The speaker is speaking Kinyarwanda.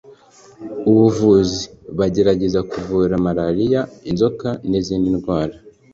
abavuzi bagerageza kuvura marariya, inzoka n’izindi ndwara.